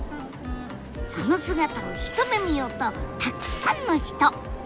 その姿を一目見ようとたくさんの人！